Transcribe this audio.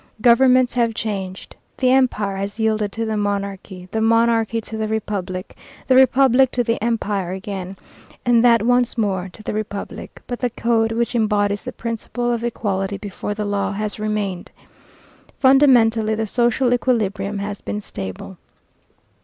Governments have changed. The Empire has yielded to the Monarchy, the Monarchy to the Republic, the Republic to the Empire again, and that once more to the Republic, but the Code which embodies the principle of equality before the law has remained. Fundamentally the social equilibrium has been stable.